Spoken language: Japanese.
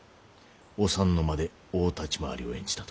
お三の間で大立ち回りを演じたと。